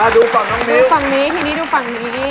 ดูฝั่งทางนี้ดูฝั่งนี้ทีนี้ดูฝั่งนี้